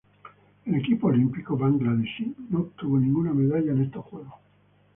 El equipo olímpico bangladesí no obtuvo ninguna medalla en estos Juegos.